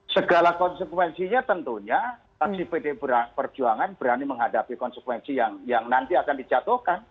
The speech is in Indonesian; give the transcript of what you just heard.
segala konsekuensinya tentunya fraksi pd perjuangan berani menghadapi konsekuensi yang nanti akan dijatuhkan